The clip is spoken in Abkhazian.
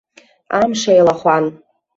Амш еилахәан.